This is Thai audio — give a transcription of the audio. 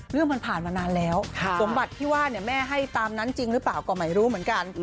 เรื่องมันผ่านมานานแล้วสมบัติที่ว่าแม่ให้ตามนั้นจริงหรือเปล่าก็ไม่รู้เหมือนกัน